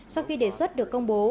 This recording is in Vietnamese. sau khi đề xuất được công bố